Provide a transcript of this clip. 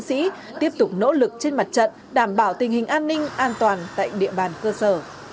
sĩ tiếp tục nỗ lực trên mặt trận đảm bảo tình hình an ninh an toàn tại địa bàn cơ sở